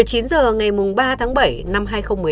một mươi chín h ngày ba tháng bảy năm hai nghìn một mươi chín